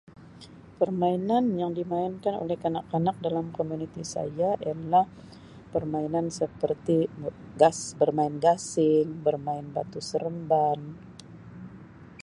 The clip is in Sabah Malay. Permainan yang dimainkan oleh kanak-kanak dalam komuniti saya ialah permainan seperti gas bermain Gasing bermain Batu Seremban.